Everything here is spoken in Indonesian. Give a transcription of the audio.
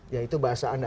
ya itu bahasa anda